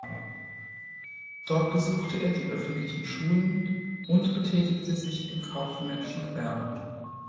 Dort besuchte er die öffentlichen Schulen und betätigte sich im kaufmännischen Gewerbe.